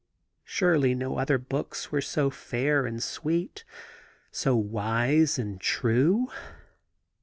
Surely no other books were so fair and sweet, so wise and true.